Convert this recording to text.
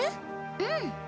うん。